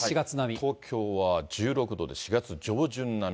東京は１６度で、４月上旬並み。